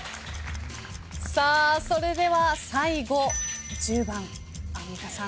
さあそれでは最後１０番アンミカさん。